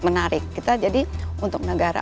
menarik kita jadi untuk negara